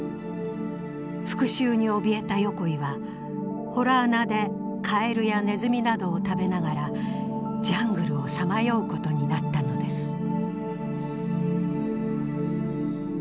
復讐におびえた横井は洞穴でカエルやネズミなどを食べながらジャングルをさまようことになったのです。